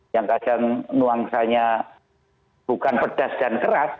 yang kadang nuansanya bukan pedas dan keras